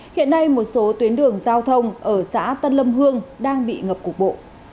hiện nay một số tuyến đường giao thông ở xã tân lâm hương đang bị ngập cục bộ